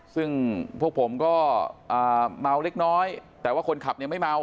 ซึ่งพวกผมก็เมาเล็กน้อยแต่ว่าคนขับเนี่ยไม่เมา